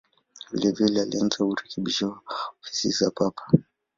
Vilevile alianza urekebisho wa ofisi za Papa.